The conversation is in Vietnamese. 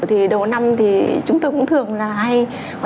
thì đầu năm thì chúng tôi cũng thường là hay